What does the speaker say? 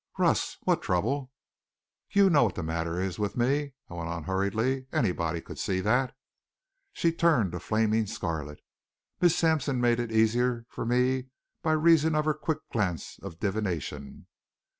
"Russ! What trouble?" "You know what's the matter with me," I went on hurriedly. "Anybody could see that." Sally turned a flaming scarlet. Miss Sampson made it easier for me by reason of her quick glance of divination.